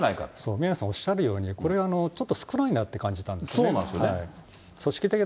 宮根さんおっしゃるように、これは少ないなって感じたんですよね。